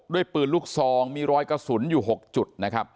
ด้วยปืนลูกสองมีรอยกระสุนอยู่หกจุด